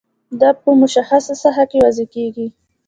دا په مشخصه ساحه کې وضع کیږي.